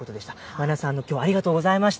前田さん、きょうはありがとうございました。